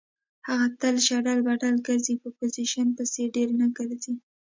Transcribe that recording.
علي تل شډل بډل ګرځي. په پوزیشن پسې ډېر نه ګرځي.